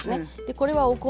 これはお米